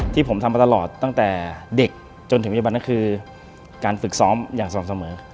ที่ผมทำมาตลอดตั้งแต่เด็กจนถึงวิบัติคือการฝึกซ้อมอย่างซ้อมเสมอ